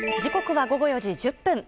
時刻は午後４時１０分。